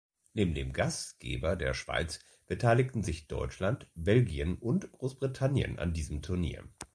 Neben dem Gastgeber, der Schweiz, beteiligten sich Deutschland, Belgien und Großbritannien an diesem Turnier.